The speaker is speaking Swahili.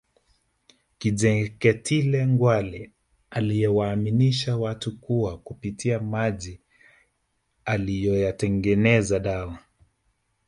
Kinjeketile Ngwale aliyewaaminisha watu kuwa kupitia maji aliyoyatengeneza dawa